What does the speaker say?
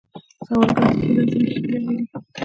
سوالګر د ښې راتلونکې هیله لري